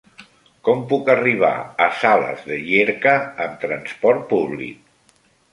Com puc arribar a Sales de Llierca amb trasport públic?